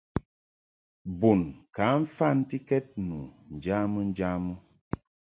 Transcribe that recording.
Bun ka mfantikɛd nu njamɨ njamɨ.